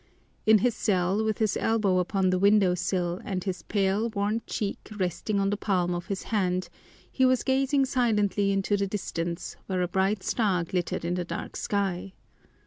In his cell, with his elbow upon the window sill and his pale, worn cheek resting on the palm of his hand, he was gazing silently into the distance where a bright star glittered in the dark sky.